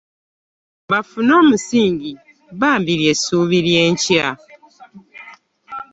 Bafune omusingi bambi lye ssuubi ly’enkya.